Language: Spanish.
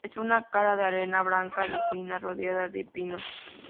Es una cala de arena blanca y fina, rodeada de pinos.